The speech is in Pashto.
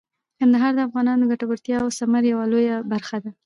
کندهار د افغانانو د ګټورتیا او ثمر یوه لویه برخه ده.